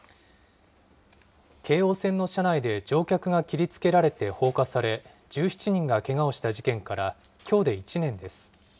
京王線の車内で乗客が切りつけられて放火され、１７人がけがをした事件から、きょうで１年です。